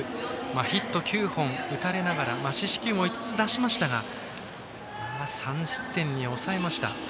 ヒット９本打たれながら四死球も５つ出しましたが３失点に抑えました。